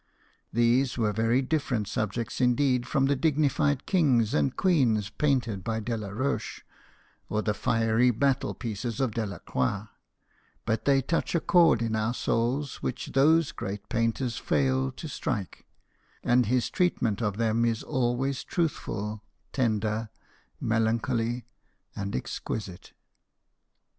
These were very different subjects indeed from the dignified kings and queens painted by Delaroche, or the fiery battle pieces of Dela croix ; but they touch a chord in our souls wh ch those great painters fail to strike, and his treatment of them is always truthful, tender, me'ancholy, and exquisite.